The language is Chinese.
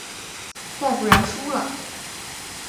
再不然输了？